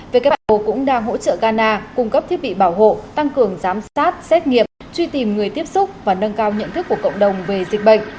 who cũng đang hỗ trợ ghana cung cấp thiết bị bảo hộ tăng cường giám sát xét nghiệm truy tìm người tiếp xúc và nâng cao nhận thức của cộng đồng về dịch bệnh